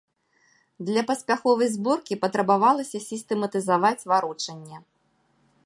Для паспяховай зборкі патрабавалася сістэматызаваць варочанне.